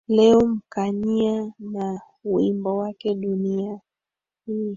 leo mkanyia na wimbo wake dunia hii